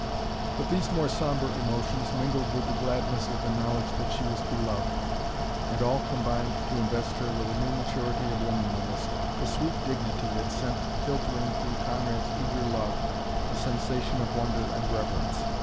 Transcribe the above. But these more sombre emotions mingled with the gladness of the knowledge that she was beloved, and all combined to invest her with a new maturity of womanliness, a sweet dignity that sent filtering through Conrad's eager love a sensation of wonder and reverence.